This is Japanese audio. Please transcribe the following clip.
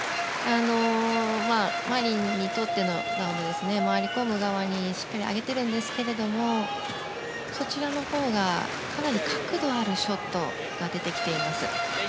マリンにとっての回り込む側にしっかり上げてるんですけれどもそちらのほうがかなり角度のあるショットが出てきています。